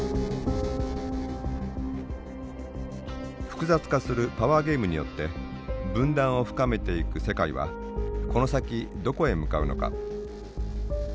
複雑化するパワーゲームによって分断を深めていく世界はこの先どこへ向かうのか。